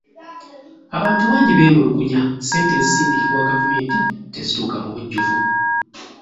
Abantu bangi beemulugunya ssente ezisindikibwa gavumenti tezituuka mu bujjuvu.